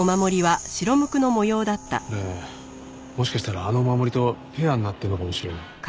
これもしかしたらあのお守りとペアになってるのかもしれない。